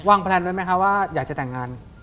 แพลนไว้ไหมคะว่าอยากจะแต่งงาน